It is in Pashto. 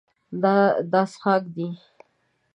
دا څښاک ده.